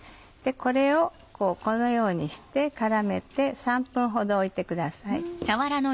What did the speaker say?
これをこのようにして絡めて３分ほどおいてください。